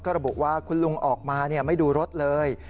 ระบุว่าคุณลุงออกมาไม่ดูรถเลย